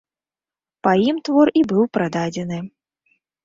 Па ім твор і быў прададзены.